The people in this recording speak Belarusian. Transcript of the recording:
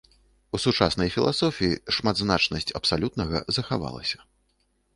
У сучаснай філасофіі шматзначнасць абсалютнага захавалася.